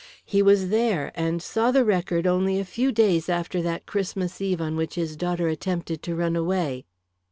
He was there and saw the record only a few days after that Christmas Eve on which his daughter attempted to run away."